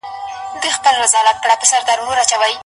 رسول الله چي کور ته راغی څه سی يې وليدل؟